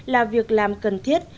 là việc làm cần thiết